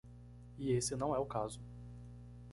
E esse não é o caso.